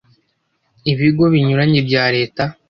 Ibigo binyuranye bya Leta